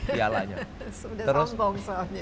pialanya sudah sombong soalnya